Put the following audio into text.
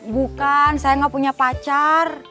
bukan saya nggak punya pacar